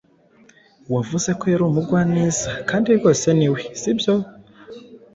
Wavuze ko yari umugwaneza kandi rwose ni we, si byo?